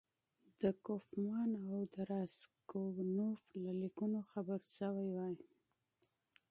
د کوفمان او راسګونوف له لیکونو خبر شوی وای.